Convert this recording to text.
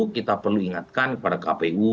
kita perlu ingatkan kepada kpu